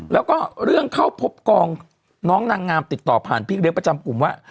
แล้วก็เรื่องเข้าพบกองน้องนางงามติดต่อผ่านพี่เลี้ยงประจำกลุ่มว่า